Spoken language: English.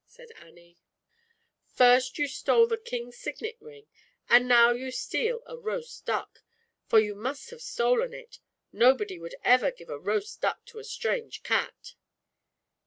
said Annie, "first you stole the King's Signet Ring, and now you steal a roast duck, for you must have stolen it, nobody would ever give a roast duck to a strange cat."